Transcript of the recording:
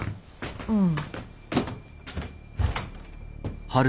うん。